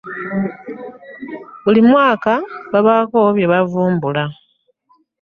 Buli mwaka babako bye bavumbula.